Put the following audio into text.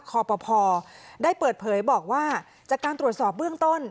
คอปภได้เปิดเผยบอกว่าจากการตรวจสอบเบื้องต้น